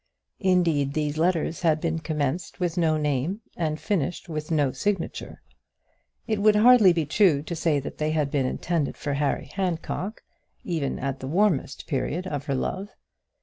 Indeed these letters had been commenced with no name, and finished with no signature. It would be hardly true to say that they had been intended for Harry Handcock, even at the warmest period of her love.